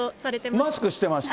マスクしてました。